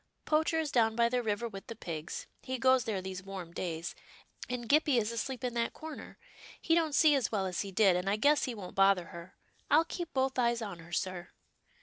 Poacher is down by the river with the pigs. He goes there these warm days, and Gippie is asleep in that corner. He don't see as well as he did, and I guess he won't bother her. I'll keep both eyes on her, sir."